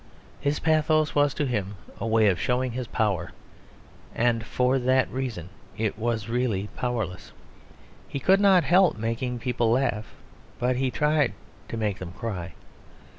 His pathos was to him a way of showing his power; and for that reason it was really powerless. He could not help making people laugh; but he tried to make them cry.